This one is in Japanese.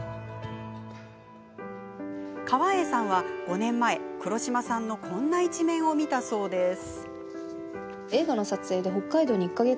川栄李奈さんは、５年前黒島さんのこんな一面を見たそうです。